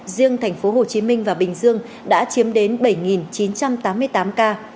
riêng thành phố hồ chí minh và bình dương đã chiếm đến bảy chín trăm tám mươi tám ca